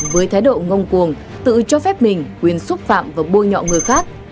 với thái độ ngông cuồng tự cho phép mình quyền xúc phạm và bôi nhọ người khác